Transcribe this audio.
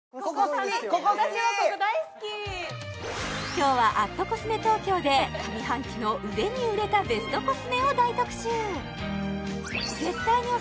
今日は＠ｃｏｓｍｅＴＯＫＹＯで上半期の売れに売れたベストコスメを大特集